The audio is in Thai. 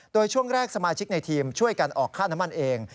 โดยช่วงแรกสมาชิกในทีมช่วยกันออกค่าน้ำมันเอง